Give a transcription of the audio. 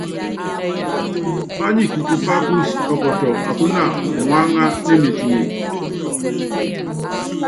Pányi kukufá kúúsí, ɔkɔtɔ akúna muáŋá, nemetime.